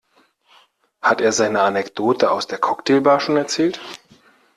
Hat er seine Anekdote aus der Cocktailbar schon erzählt?